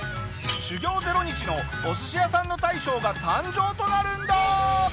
修業０日のお寿司屋さんの大将が誕生となるんだ！